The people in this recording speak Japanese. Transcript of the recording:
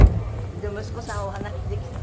息子さんはお話しできたの？